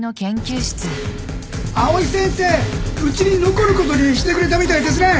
藍井先生うちに残ることにしてくれたみたいですね！